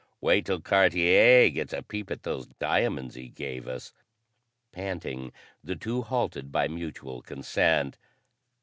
"Wait till Cartier gets a peep at those diamonds he gave us." Panting, the two halted by mutual consent.